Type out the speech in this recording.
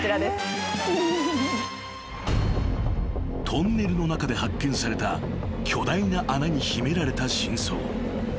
［トンネルの中で発見された巨大な穴に秘められた真相］